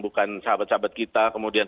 bukan sahabat sahabat kita kemudian